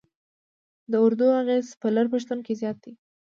د اردو اغېز په لر پښتون کې زیات دی.